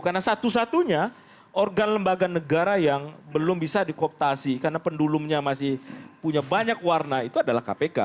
karena satu satunya organ lembaga negara yang belum bisa dikooptasi karena pendulumnya masih punya banyak warna itu adalah kpk